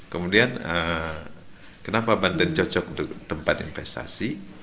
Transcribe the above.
kemudian kenapa banten cocok untuk tempat investasi